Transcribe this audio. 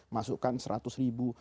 masukkan seratus ribu